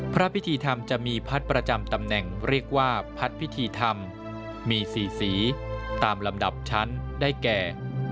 พระพิธีธรรมจะมีพัดประจำตำแหน่งเรียกว่าพัดพิธีธรรมมี๔สีตามลำดับชั้นได้แก่